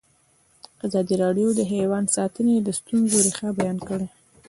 ازادي راډیو د حیوان ساتنه د ستونزو رېښه بیان کړې.